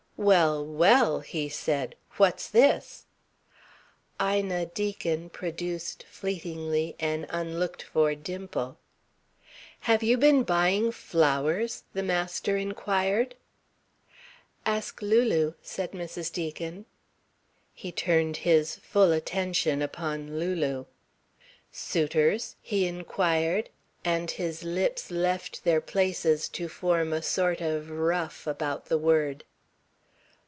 "Well, well!" he said. "What's this?" Ina Deacon produced, fleetly, an unlooked for dimple. "Have you been buying flowers?" the master inquired. "Ask Lulu," said Mrs. Deacon. He turned his attention full upon Lulu. "Suitors?" he inquired, and his lips left their places to form a sort of ruff about the word.